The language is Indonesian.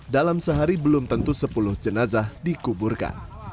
dalam sehari belum tentu sepuluh jenazah dikuburkan